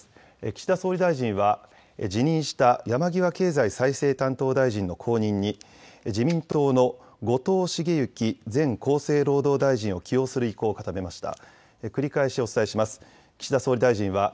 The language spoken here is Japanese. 岸田総理大臣は辞任した山際経済再生担当大臣の後任に自民党の後藤茂之前厚生労働大臣を起用する意向を固めました。